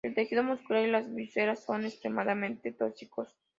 El tejido muscular y las vísceras son extremadamente tóxicos.